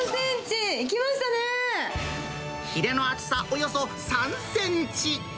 ヒレの厚さおよそ３センチ。